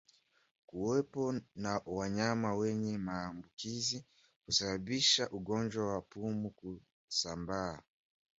Kuwepo na wanyama wenye maambukizi husababisha ugonjwa wa pumu kusambaa